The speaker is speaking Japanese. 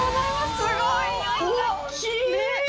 すごいよ。